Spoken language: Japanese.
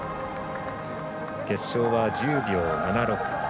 決勝は１０秒７６。